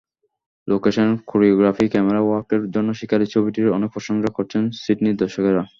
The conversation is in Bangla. লোকেশন, কোরিওগ্রাফি, ক্যামেরা ওয়ার্কের জন্য শিকারি ছবিটির অনেক প্রশংসা করেছেন সিডনির দর্শকেরা।